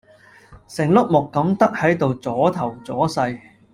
成碌木咁得喺度阻頭阻勢!